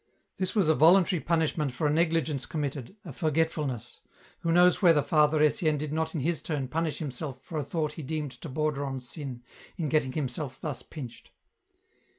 This was a voluntary punishment for a negligence com mitted, a forgetfulness. Who knows whether Father Etienne did not in his turn punish himself for a thought he deemed to border on sin, in getting himself thus pinched